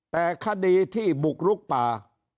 แต่คดีที่บุกลุกป่า